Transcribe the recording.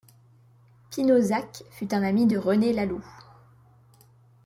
Pino Zac fut un ami de René Laloux.